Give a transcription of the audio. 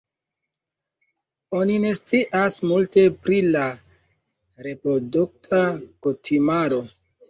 Oni ne scias multe pri la reprodukta kutimaro.